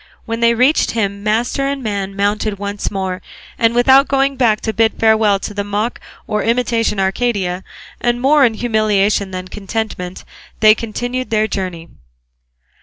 When they reached him master and man mounted once more, and without going back to bid farewell to the mock or imitation Arcadia, and more in humiliation than contentment, they continued their journey.